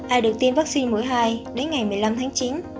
ai được tiêm vaccine mũi hai đến ngày một mươi năm tháng chín